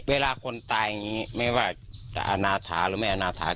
คนตายอย่างนี้ไม่ว่าจะอาณาถาหรือไม่อนาถา